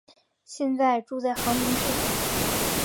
现在住在横滨市。